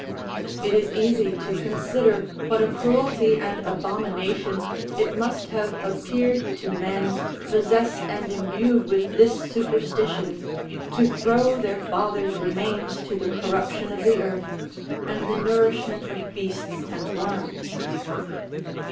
It is easy to consider what a cruelty and abomination it must have appeared to men possessed and imbued with this snperstition to throw their fathers' remains to the corruption of the earth, and the nourishment of beasts and worms.